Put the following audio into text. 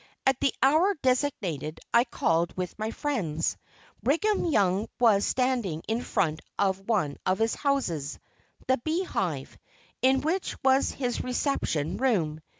At the hour designated I called with my friends. Brigham Young was standing in front of one of his houses the "Bee Hive," in which was his reception room.